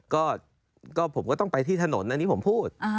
ก็ผมก็ต้องไปที่ถนนอันนี้ผมพูด